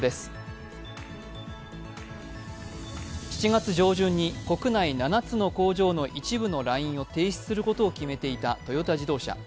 ７月上旬に国内７つの工場の一部のラインを停止することを決めていたトヨタ自動車。